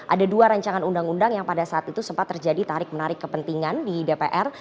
ada dua rancangan undang undang yang pada saat itu sempat terjadi tarik menarik kepentingan di dpr